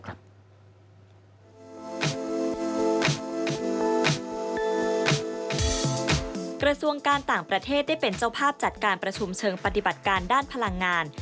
กระทรวงการต่างประเทศได้เป็นเจ้าภาพจัดการประชุมเชิงปฏิบัติการด้านพลังงาน